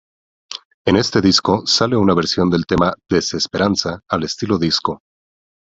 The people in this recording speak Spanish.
En este disco sale una versión del tema "Desesperanza" al estilo disco.